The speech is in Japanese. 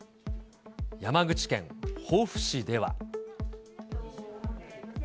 山口県防府市では。